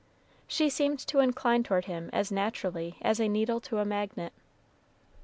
She seemed to incline toward him as naturally as a needle to a magnet.